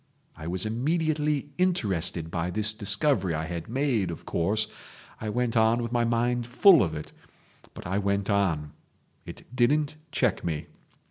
I was immediately interested by this discovery I had made, of course—I went on with my mind full of it—but I went on. It didn't check me.